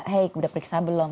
hey udah periksa belum